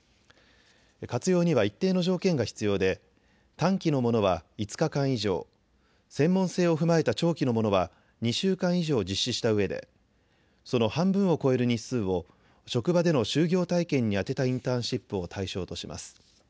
活用には一定の条件が必要で短期のものは５日間以上、専門性を踏まえた長期のものは２週間以上実施したうえでその半分を超える日数を職場での就業体験に充てたインターンシップを対象とします。